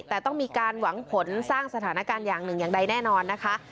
แต่ต้องมีการหวังผลสร้างสถานการณ์อย่างหนึ่งอย่างใดแน่นอนนะคะ